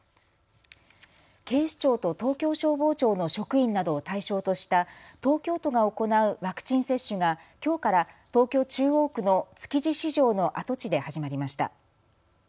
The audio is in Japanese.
警視庁と東京消防庁の職員などを対象とした東京都が行うワクチン接種がきょうから東京中央区の築地市場の跡地で始まりました。